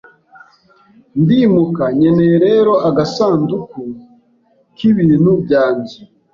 Ndimuka, nkeneye rero agasanduku k'ibintu byanjye.